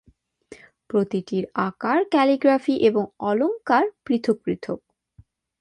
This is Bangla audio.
প্রতিটির আকার, ক্যালিগ্রাফি এবং অলঙ্কার পৃথক পৃথক।